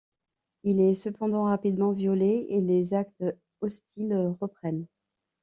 Il est cependant rapidement violé et les actes hostiles reprennent.